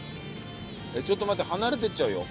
ちょっと待って離れていっちゃうよ。